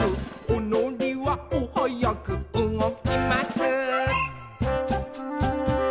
「おのりはおはやくうごきます」